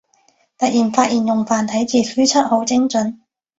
突然發現用繁體字輸出好精准